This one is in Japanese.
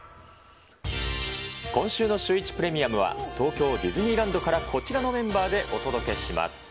今週のシューイチプレミアムは、東京ディズニーランドからこちらのメンバーでお届けします。